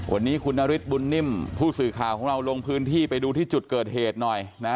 วันนี้คุณนฤทธิบุญนิ่มผู้สื่อข่าวของเราลงพื้นที่ไปดูที่จุดเกิดเหตุหน่อยนะ